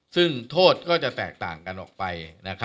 ซึ่งโทษก็จะแตกต่างกันออกไป